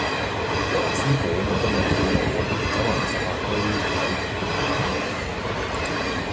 黃師傅腳骨力好好，走勻十八區睇跌打